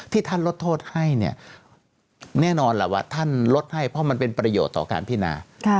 ที่ท่านลดโทษให้แน่นอนว่าท่านลดข้นให้เพราะมันเป็นประโยชน์ต่อการพินาคัอ